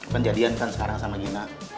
penjadian kan sekarang sama gina